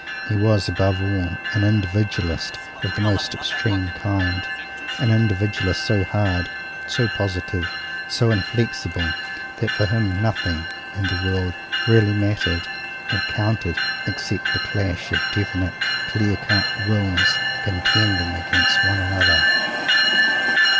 He was, above all, an Individualist of the most extreme kind an Individualist so hard, so positive, so inflexible, that for him nothing in the world really mattered except the clash of definite, clear cut Wills, contending against one another.